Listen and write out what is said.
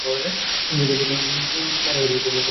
ইংরেজদের প্রতি আনুগত্যের জন্য তিনি রায় উপাধিতে পান।